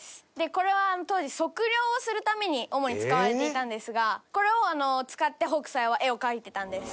これは当時測量をするために主に使われていたんですがこれを使って北斎は絵を描いてたんです。